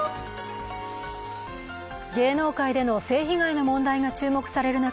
芸能界での性被害の問題が注目される中